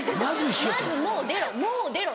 「まずもう出ろ！